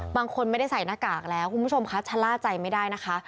บางคนไม่ได้ใส่หน้ากากแล้วคุณผู้ชมคะชะล่าใจไม่ได้นะคะ